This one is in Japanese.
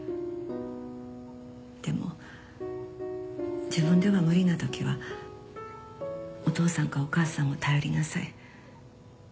「でも自分では無理なときはお父さんかお母さんを頼りなさい」